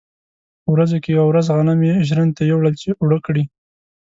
په ورځو کې یوه ورځ غنم یې ژرندې ته یووړل چې اوړه کړي.